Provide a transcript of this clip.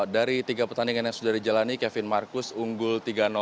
dari tiga pertandingan yang sudah dijalani kevin marcus unggul tiga